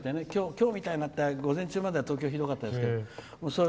きょうみたいなって午前中までは東京はひどかったですけど。